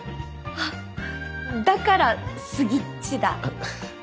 あっだから「スギッチ」だ。